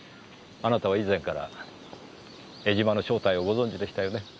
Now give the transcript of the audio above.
あなたは以前から江島の正体をご存じでしたよね？